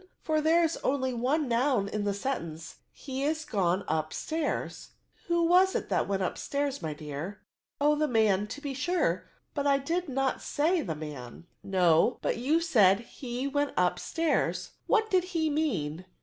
lor there is only one noun in the sentence, ' he is gone up stairs.' "" Who was it went up stairs, my dear ?"*' Oh, the man, to be sure ; but I did not say the man." 94 PREPOSITIONS. No, but you said *he went upstairs:* what did he mean?"